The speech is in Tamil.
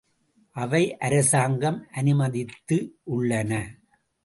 அவை அரசாங்கம் அனுமதித்து உள்ளன.